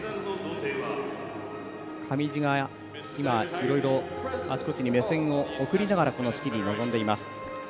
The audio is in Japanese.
上地がいろいろ、あちこちに目線を送りながらこの式に臨んでいます。